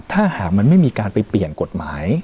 ถ้าหากมันไม่มีการไปเปลี่ยนกฎหมาย